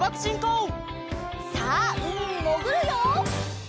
さあうみにもぐるよ！